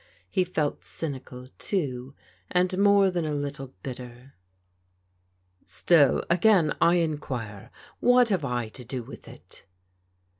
He felt C3mical, too, and more than a little bitter. " Still, again I enquire, what have I to do with it?